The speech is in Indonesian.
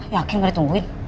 yakin gak ditungguin